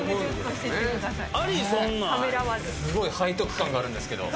すごい背徳感があるんですけど。